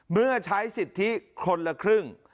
เมื่อใช้สิทธิคนละครึ่ง